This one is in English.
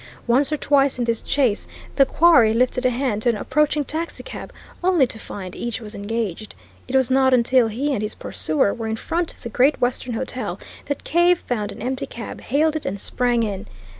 Once or twice in this chase the quarry lifted a hand to an approaching taxicab, only to find each was engaged; it was not until he and his pursuer were in front of the Great Western Hotel that Cave found an empty cab, hailed it, and sprang in.